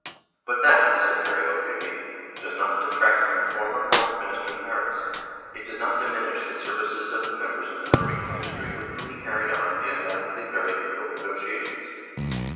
" But that," said Hr. Adolf Hedin, " does not detract from the former Foreign Minister's merits, it does not diminish the services of the members of the Norwegian ministry with whom he carried on the undoubtedly very difficult negotiations.